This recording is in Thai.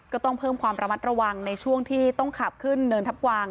ก็ต้องเพิ่มความระมัดระวังในช่วงที่ต้องขับขึ้นเนินทับกวาง